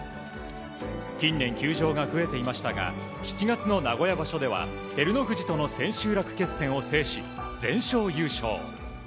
近年、休場が増えていましたが７月の名古屋場所では照ノ富士との千秋楽決戦を制し全勝優勝。